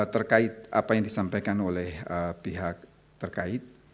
terkait apa yang disampaikan oleh pihak terkait